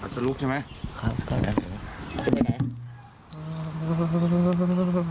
จะลุกใช่ไหมนะค่ะ